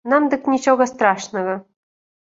Нам дык нічога страшнага.